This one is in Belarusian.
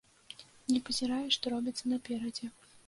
Не пазірае, што робіцца наперадзе.